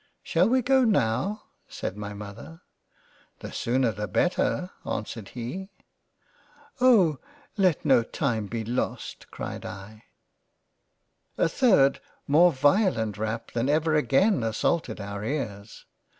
" Shall we go now ?" (said my Mother,) " The sooner the better." (an swered he.) " Oh ! let no time be lost " (cried I.) 8 )t ! J LOVE AND FREINDSHIP ^ A third more violent Rap than ever again assaulted our ears.